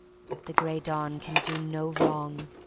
The Gray Dawn can do no wrong.